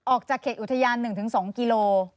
ออกจากเขตอุทยาน๑๒กิโล